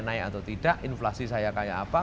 naik atau tidak inflasi saya kayak apa